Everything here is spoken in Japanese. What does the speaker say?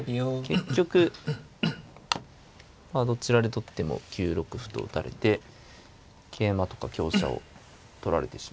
結局まあどちらで取っても９六歩と打たれて桂馬とか香車を取られてしまう。